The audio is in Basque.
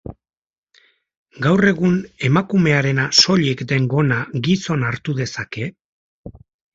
Gaur egun emakumearena soilik den gona gizon hartu dezake?